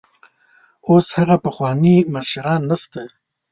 اوس هغه پخواني مشران نشته.